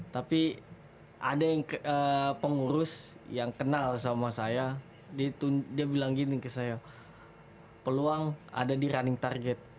tapi ada yang pengurus yang kenal sama saya dia bilang gini ke saya peluang ada di running target